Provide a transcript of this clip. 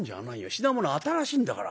品物新しいんだから。